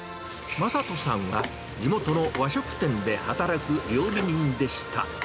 正人さんは地元の和食店で働く料理人でした。